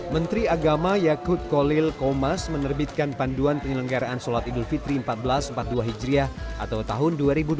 menteri agama yakut kolil komas menerbitkan panduan penyelenggaraan sholat idul fitri seribu empat ratus empat puluh dua hijriah atau tahun dua ribu dua puluh